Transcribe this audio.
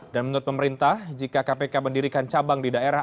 dan menurut pemerintah jika kpk mendirikan cabang di daerah